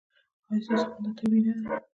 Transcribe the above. ایا ستاسو خندا طبیعي نه ده؟